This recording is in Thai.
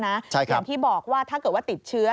อย่างที่บอกว่าถ้าเกิดว่าติดเชื้อ